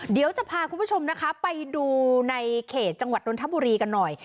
เดี๋ยวจะพาคุณผู้ชมนะคะไปดูในเขตจังหวัดนทบุรีกันหน่อย